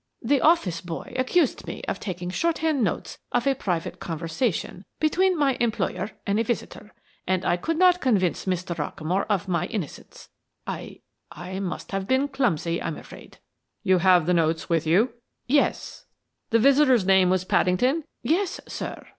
"The office boy accused me of taking shorthand notes of a private conversation between my employer and a visitor, and I could not convince Mr. Rockamore of my innocence. I I must have been clumsy, I'm afraid." "You have the notes with you?" "Yes." "The visitor's name was Paddington?" "Yes, sir."